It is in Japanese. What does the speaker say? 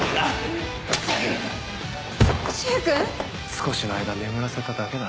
柊君⁉少しの間眠らせただけだ。